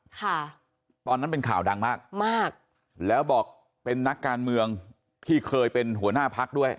ค่ะตอนนั้นเป็นข่าวดังมากมากแล้วบอกเป็นนักการเมืองที่เคยเป็นหัวหน้าพักด้วย